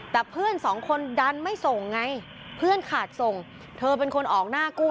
แต่เพื่อนสองคนดันไม่ส่งไงเพื่อนขาดส่งเธอเป็นคนออกหน้ากู้